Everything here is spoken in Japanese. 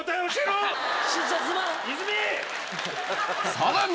さらに